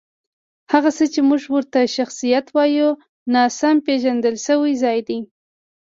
هغه څه چې موږ ورته شخصیت وایو، ناسم پېژندل شوی ځان دی.